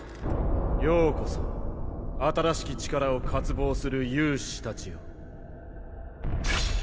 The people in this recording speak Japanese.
ようこそ新しき力を渇望する勇士たちよ。